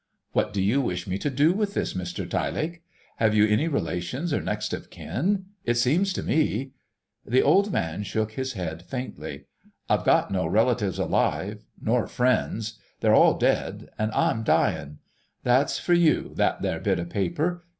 "What do you wish me to do with this, Mr Tyelake? Have you any relations or next of kin? It seems to me——" The old man shook his head faintly. "I've got no relatives alive—nor friends. They're all dead ... an' I'm dyin'. That's for you, that there bit of paper.